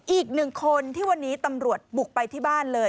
อีกหนึ่งคนที่วันนี้ตำรวจบุกไปที่บ้านเลย